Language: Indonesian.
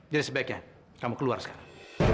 jadi sebaiknya kamu keluar sekarang